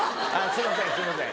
すいませんすいません。